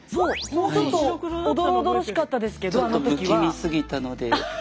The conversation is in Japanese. もうちょっとおどろおどろしかったですけどあの時は。え？